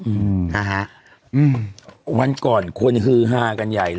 อือววันก่อนควรฮือฮ่ากันใหญ่เลย